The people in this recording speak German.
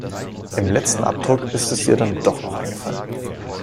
Im letzen Abdruck ist es ihr dann doch noch eingefallen.